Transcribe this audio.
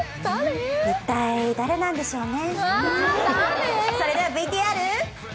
一体誰なんでしょうね。